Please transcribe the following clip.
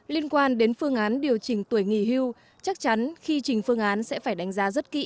liên quan đến phương án điều chỉnh tuổi nghỉ hưu chắc chắn khi trình phương án sẽ phải đánh giá rất kỹ